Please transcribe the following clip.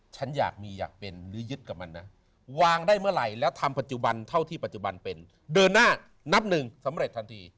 ฉันอยากมีอยากเป็นหรือยึดกับมันนะวางได้เมื่อไหร่แล้วทำปัจจุบันเท่าที่ปัจจุบันเป็นเดินหน้านับหนึ่งสำเร็จทันที